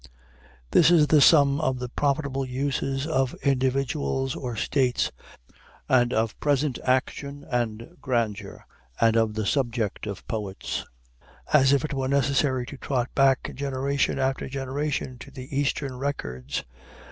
This is the sum of the profitable uses of individuals or states, and of present action and grandeur, and of the subjects of poets. (As if it were necessary to trot back generation after generation to the eastern records!